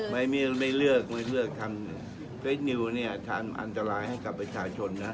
อย่างเดียวหรือเปล่าอ๋อผมผมโดนนี้ผมโดน